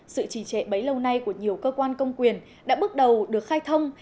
sự trì trệ bấy lâu nay của nhiều cơ quan công quyền đã bước đầu được khai thông